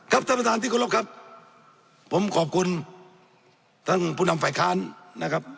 ท่านประธานที่เคารพครับผมขอบคุณท่านผู้นำฝ่ายค้านนะครับ